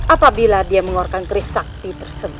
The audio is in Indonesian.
apabila dia mengeluarkan trisakti tersebut